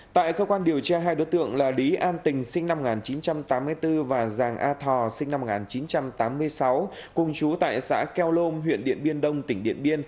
tại cơ quan điều tra hai đối tượng là lý an tình sinh năm một nghìn chín trăm tám mươi bốn và giàng a thò sinh năm một nghìn chín trăm tám mươi sáu cùng chú tại xã keom huyện điện biên đông tỉnh điện biên